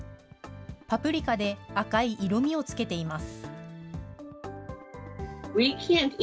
パプリカで赤い色味を付けています。